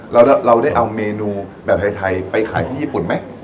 แล้วเราได้เอาเมนูแบบไทยไปขายที่ญี่ปุ่นไหม